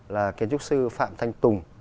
là kiến trúc sư phạm thanh tùng